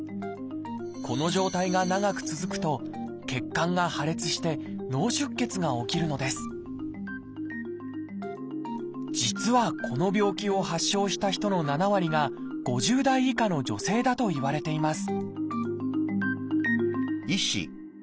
この状態が長く続くと血管が破裂して脳出血が起きるのです実はこの病気を発症した人の７割が５０代以下の女性だといわれています